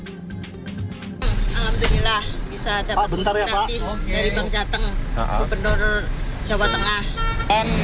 alhamdulillah bisa dapat gratis dari bank jateng gubernur jawa tengah n